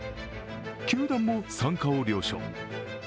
球団も参加を了承。